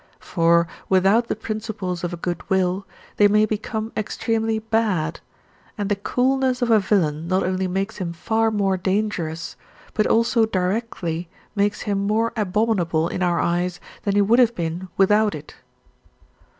For without the principles of a good will, they may become extremely bad, and the coolness of a villain not only makes him far more dangerous, but also directly makes him more abominable in our eyes than he would have been without it.